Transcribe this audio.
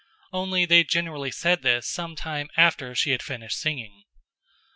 Only they generally said this some time after she had finished singing.